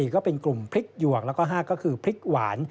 ก็เป็นกลุ่มพริกหยวกแล้วก็๕ก็คือพริกหวาน